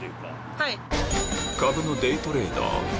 はい。